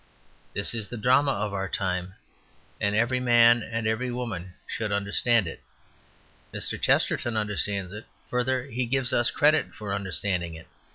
This is the drama of our time, and every man and every woman should understand it. "Mr. Chesterton understands it. Further, he gives us credit for understanding it.